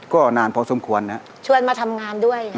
ก็นานพอสมควรนะชวนมาทำงานด้วย